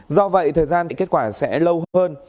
do vậy thời gian thì kết quả sẽ lâu hơn